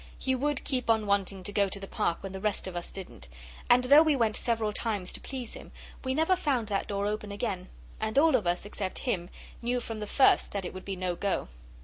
He would keep on wanting to go to the Park when the rest of us didn't, and though we went several times to please him, we never found that door open again, and all of us except him knew from the first that it would be no go.